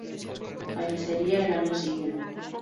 Fallecería el año siguiente.